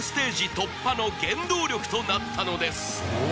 突破の原動力となったのです